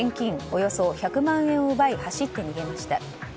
およそ１００万円を奪い走って逃げました。